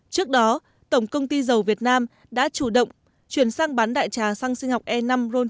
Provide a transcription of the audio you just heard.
trước đó tổng công ty dầu việt nam đã chủ động chuyển xăng bán đại trà xăng sinh học e năm ron chín mươi hai